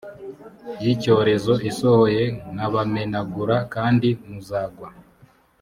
y icyorezo isohoye nkabamenagura kandi muzagwa